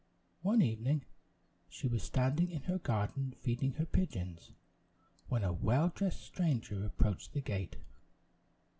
One evening, she was standing in her garden, feeding her pigeons, when a well dressed stranger approached the gate.